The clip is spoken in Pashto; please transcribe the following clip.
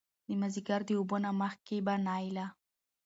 د مازديګر د اوبو نه مخکې به نايله